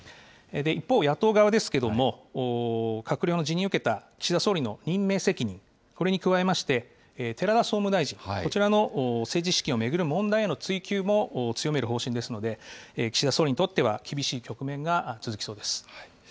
一方、野党側ですけれども、閣僚の辞任を受けた岸田総理の任命責任、これに加えまして、寺田総務大臣、こちらの政治資金を巡る問題への追及も強める方針ですので、岸田総理にとっては、厳しい局面が続きそうです。